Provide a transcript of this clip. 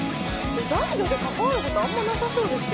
男女で関わることあんまなさそうですけどね。